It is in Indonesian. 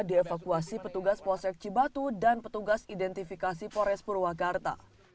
dievakuasi petugas posek cibatu dan petugas identifikasi pores purwakarta